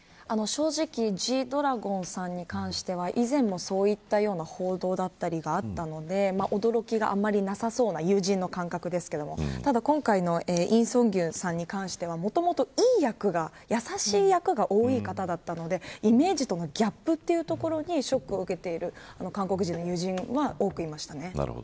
正直Ｇ‐ＤＲＡＧＯＮさんに関しては以前もそういったような報道があったりだったので驚きがあまりなさそうな友人の評価ですけれどもただ今回のイ・ソンギュンさんに関してはもともと、いい役が優しい役が多い方々なのでイメージとのギャップというところにショックを受けている韓国人の友人は多くいました。